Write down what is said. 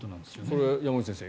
これは山口先生